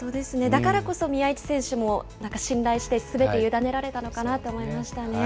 だからこそ、宮市選手も信頼して、すべて委ねられたのかなと思いましたね。